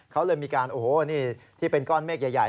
เขาเลยมีการโอ้โหนี่ที่เป็นก้อนเมฆใหญ่